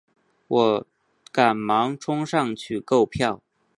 我赶忙冲上去购票